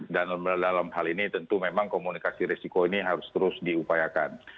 dan dalam hal ini tentu memang komunikasi risiko ini harus terus diupayakan